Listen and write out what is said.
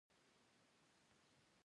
هرڅه ډېر واضح ښکارېدل.